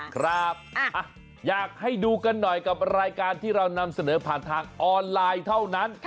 ครับอยากให้ดูกันหน่อยกับรายการที่เรานำเสนอผ่านทางออนไลน์เท่านั้น